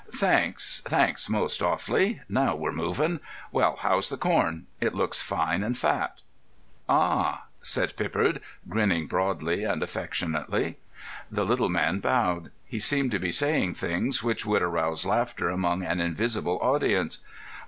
"Thanks. Thanks most awfully. Now we're moving.... Well, how's the corn? It looks fine and fat." "Ah," said Pippard, grinning broadly and affectionately. The little man bowed. He seemed to be saying things which would arouse laughter among an invisible audience.